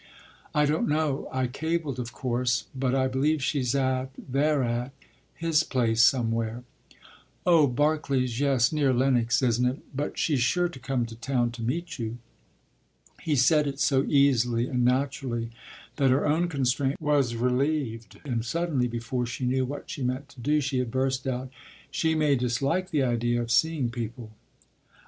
“I don’t know. I cabled, of course. But I believe she’s at they’re at his place somewhere.” “Oh, Barkley’s; yes, near Lenox, isn’t it? But she’s sure to come to town to meet you.” He said it so easily and naturally that her own constraint was relieved, and suddenly, before she knew what she meant to do, she had burst out: “She may dislike the idea of seeing people.